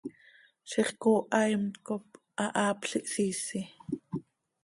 ¡Ziix cooha imt cop hahaapl ihsiisi!